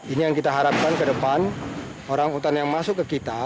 ini yang kita harapkan ke depan orang utan yang masuk ke kita